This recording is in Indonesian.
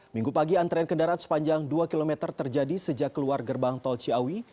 minggu pagi antrean kendaraan sepanjang dua km terjadi sejak keluar gerbang tol ciawi